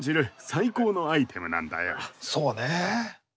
そうね。